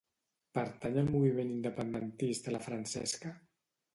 Pertany al moviment independentista la Francesca?